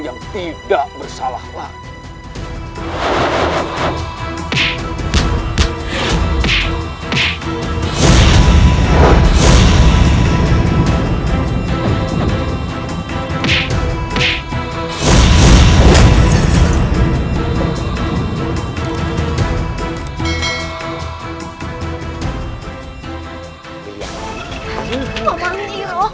yang tidak bersalah lagi